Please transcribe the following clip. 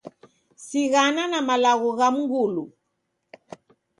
Sighana na malagho gha mngulu.